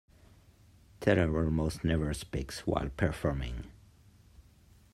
Teller almost never speaks while performing.